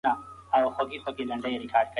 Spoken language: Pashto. انسان څنګه خپل شخصیت ترلاسه کوي؟